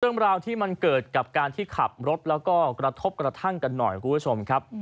เรื่องราวที่มันเกิดกับการที่ขับรถแล้วก็กระทบกระทั่งกันหน่อยคุณผู้ชมครับ